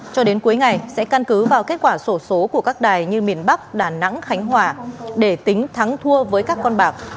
cho đến cuối ngày sẽ căn cứ vào kết quả sổ số của các đài như miền bắc đà nẵng khánh hòa để tính thắng thua với các con bạc